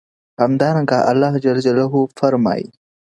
د کمونېست ګوند مخالفین ځپل شوي وو.